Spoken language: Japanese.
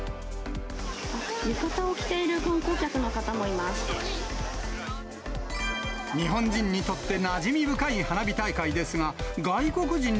浴衣を着ている観光客の方も日本人にとってなじみ深い花